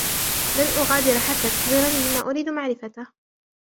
لن أغادر حتّى تخبرني بما أريد معرفته.